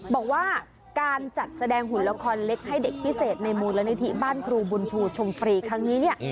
บอกว่าการจัดแสดงหุ่นละครเล็กให้เด็กพิเศษในมูลนิธิบ้านครูบุญชูชมฟรีครั้งนี้เนี่ย